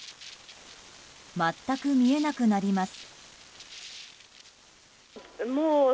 全く見えなくなります。